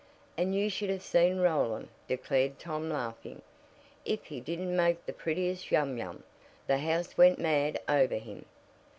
"And you should have seen Roland," declared Tom laughing. "If he didn't make the prettiest Yum yum! The house went mad over him."